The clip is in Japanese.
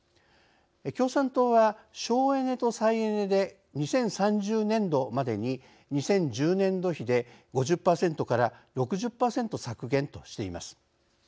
共産党は「省エネと再エネで２０３０年度までに２０１０年度比で５０％から６０％削減」としています。